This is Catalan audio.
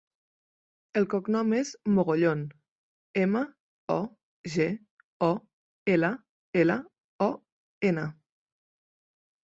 El cognom és Mogollon: ema, o, ge, o, ela, ela, o, ena.